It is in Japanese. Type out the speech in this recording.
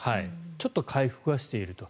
ちょっと回復はしていると。